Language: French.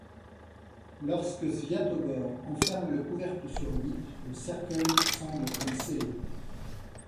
Lorsque Sviatogor en ferme le couvercle sur lui, le cercueil semble comme scellé.